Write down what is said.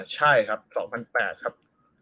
ใช่ครับ๒๘๐๐ครับ